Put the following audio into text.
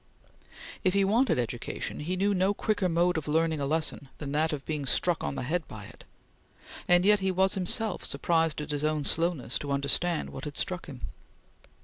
If he wanted education, he knew no quicker mode of learning a lesson than that of being struck on the head by it; and yet he was himself surprised at his own slowness to understand what had struck him.